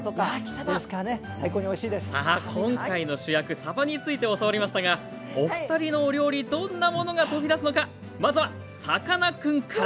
さあ今回の主役さばについて教わりましたがおふたりのお料理どんなものが飛び出すのかまずはさかなクンから。